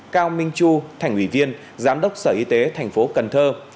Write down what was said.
cao minh chu thành ủy viên giám đốc sở y tế thành phố cần thơ